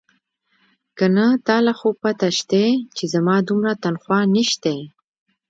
که نه تا له خو پته شتې چې زما دومره تنخواه نيشتې.